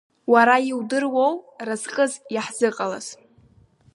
Уара иудыроу разҟыс иаҳзыҟалаз?